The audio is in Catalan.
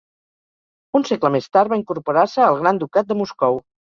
Un segle més tard va incorporar-se al Gran Ducat de Moscou.